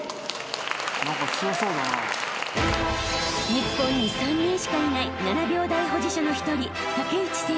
［日本に３人しかいない７秒台保持者の１人］